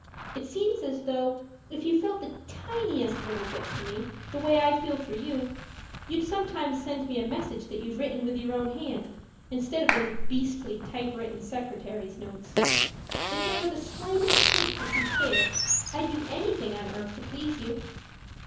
It seems as though, if you felt the tiniest little bit for me the way I feel for you, you'd sometimes send me a message that you'd written with your own hand, instead of those beastly typewritten secretary's notes. If there were the slightest hint that you cared, I'd do anything on earth to please you.